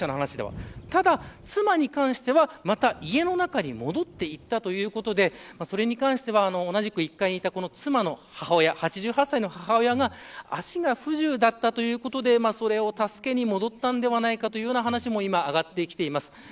ただ妻に関しては、また家の中に戻っていったということでそれに関しては１階にいた妻の母親８８歳の母親が足が不自由だったということでそれを助けに戻ったんではないかということもあがってきています。